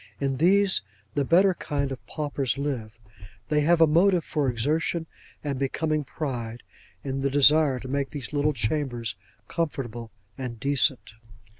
In these, the better kind of paupers live. They have a motive for exertion and becoming pride, in the desire to make these little chambers comfortable and decent.